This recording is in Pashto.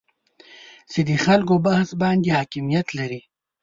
چې د خلکو بحث باندې حاکمیت لري